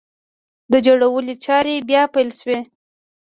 د جوړولو چارې بیا پیل شوې!